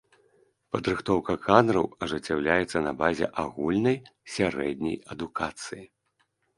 Падрыхтоўка кадраў ажыццяўляецца на базе агульнай сярэдняй адукацыі.